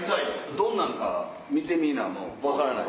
どんなんか見てみな分からない。